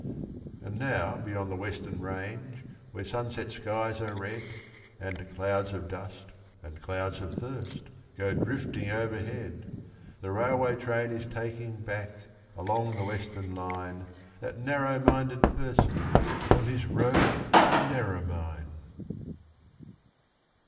And now beyond the Western Range, where sunset skies are red, And clouds of dust, and clouds of thirst, go drifting overhead, The railway train is taking back, along the Western Line, That narrow minded person on his road to Narromine.